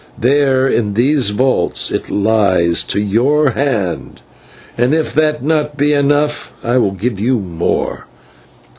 There, in those vaults, it lies to your hand, and if that be not enough I will give you more.